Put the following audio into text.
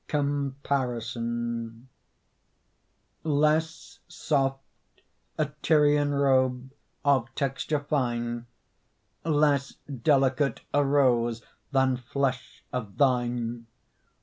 COMPARISON Less soft a Tyrian robe Of texture fine, Less delicate a rose Than flesh of thine.